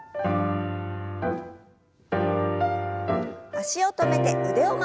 脚を止めて腕を回します。